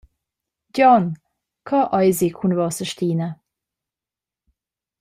Gion, co eis ei cun vossa Stina?